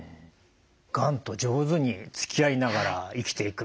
がんと上手につきあいながら生きていく。